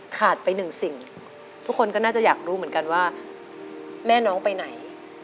ขาดไปหนึ่งสิ่งทุกคนก็น่าจะอยากรู้เหมือนกันว่าแม่น้องไปไหน